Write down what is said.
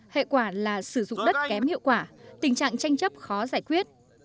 hệ quả là sử dụng đất kém hiệu quả tình trạng tranh chấp khó giải quyết